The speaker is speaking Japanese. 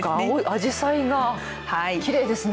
あじさいがきれいですね。